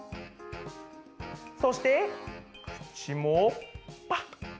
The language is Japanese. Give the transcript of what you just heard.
そしてくちもパッ！